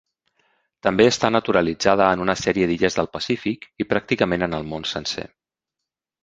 També està naturalitzada en una sèrie d'illes del Pacífic, i pràcticament en el món sencer.